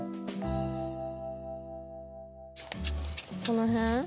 この辺？